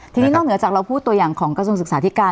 ทีนี้นอกเหนือจากเราพูดตัวอย่างของกระทรวงศึกษาธิการ